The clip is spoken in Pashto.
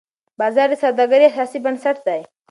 بازار د سوداګرۍ اساسي بنسټ دی.